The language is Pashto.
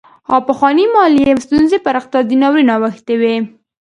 پخوانۍ مالي ستونزې پر اقتصادي ناورین اوښتې وې.